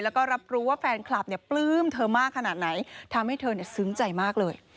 แล้วก็รับรู้ว่าแฟนคลับเนี่ยปลื้มเธอมากขนาดไหนทำให้เธอซึ้งใจมากเลย